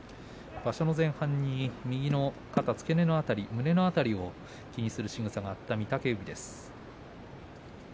場所の前半に肩、胸の辺りを気にするしぐさがあった御嶽海です。